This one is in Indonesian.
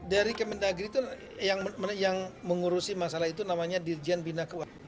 dari kemendagri itu yang mengurusi masalah itu namanya dirjen bina keuangan